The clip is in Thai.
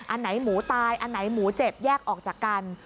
อันไหนหมูตายอันไหนหมูเจ็บแยกออกจากกัน